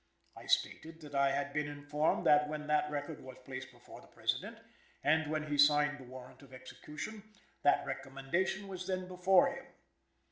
I stated that I had been informed that when that record was before the President, and when he signed the warrant of execution, that recommendation was then before him.